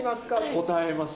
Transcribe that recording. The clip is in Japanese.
答えます。